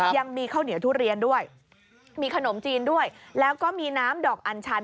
ยังมีข้าวเหนียวทุเรียนด้วยมีขนมจีนด้วยแล้วก็มีน้ำดอกอัญชัน